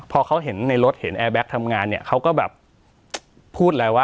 พอเขาเห็นในรถเห็นแอร์แก๊กทำงานเนี่ยเขาก็แบบพูดเลยว่า